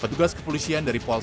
petugas kepolisian dari polres